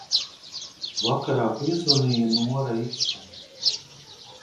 Vakarā piezvanīja Nora Ikstena.